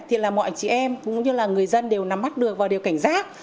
thì là mọi chị em cũng như là người dân đều nắm mắt được vào điều cảnh giác